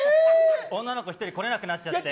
女の子１人これなくなっちゃって。